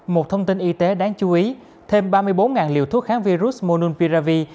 một thông tin y tế đáng chú ý thêm ba mươi bốn liều thuốc kháng virus mononpiravir